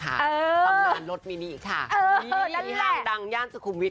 ทำงานรถมินิอีกค่ะดังย่านสุขุมวิทค่ะ